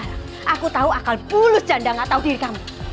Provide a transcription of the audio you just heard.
aku tahu akal bulus janda tidak tahu diri kamu